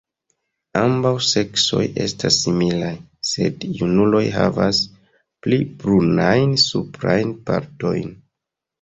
Ambaŭ seksoj estas similaj, sed junuloj havas pli brunajn suprajn partojn.